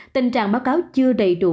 tình trạng báo cáo chưa đầy đủ